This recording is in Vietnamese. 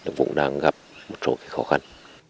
cũng đang gặp một số khó khăn